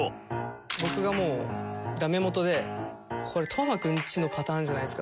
僕がもうダメもとで「これ斗真君ちのパターンじゃないですか？」